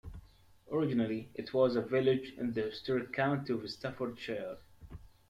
Originally, it was a village in the historic county of Staffordshire.